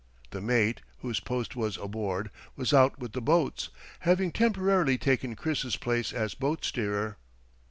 The mate, whose post was aboard, was out with the boats, having temporarily taken Chris's place as boat steerer.